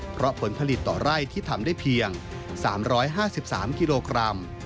เพราะผลผลิตต่อไร่ที่ทำได้เพียง๓๕๓กิโลกรัม